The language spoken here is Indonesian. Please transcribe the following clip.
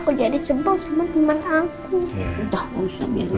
aku jadi sebel sama temen aku